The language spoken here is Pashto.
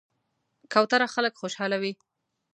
کوتره خلک خوشحالوي.